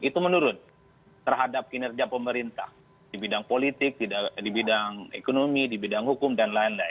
itu menurun terhadap kinerja pemerintah di bidang politik di bidang ekonomi di bidang hukum dan lain lain